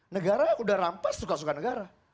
negara udah rampas suka suka negara